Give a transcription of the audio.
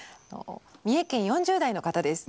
三重県４０代の方です。